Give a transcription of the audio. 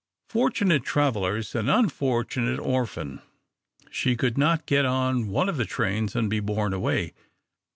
Fortunate travellers and unfortunate orphan! She could not get on one of the trains and be borne away.